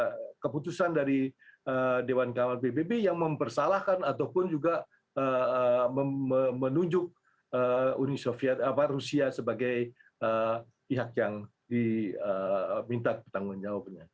jadi itu adalah hal yang diperlukan oleh dewan keamanan pbb yang mempersalahkan ataupun juga menunjuk uni rusia sebagai pihak yang diminta pertanggung jawabnya